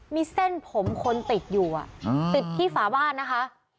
มีเส้นผมคนติดอยู่ติดที่ฝาบ้านนะคะ